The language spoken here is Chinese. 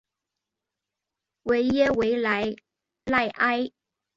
维耶维莱赖埃。